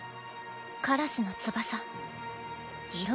カラスの翼色は黒。